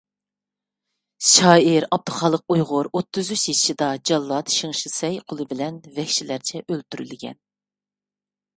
شائىر ئابدۇخالىق ئۇيغۇر ئوتتۇز ئۈچ يېشىدا جاللات شېڭ شىسەينىڭ قولى بىلەن ۋەھشىيلەرچە ئۆلتۈرۈلگەن.